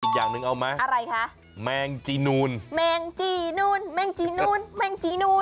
อย่างหนึ่งเอาไหมอะไรคะแมงจีนูนแมงจีนูนแมงจีนูนแมงจีนูน